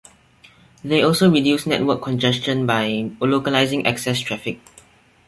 They also reduce network congestion by localizing access traffic.